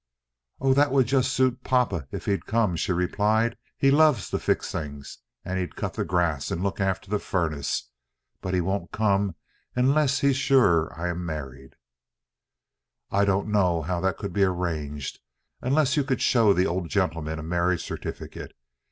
"Oh, that would just suit papa, if he'd come," she replied. "He loves to fix things, and he'd cut the grass and look after the furnace. But he won't come unless he's sure I'm married." "I don't know how that could be arranged unless you could show the old gentleman a marriage certificate.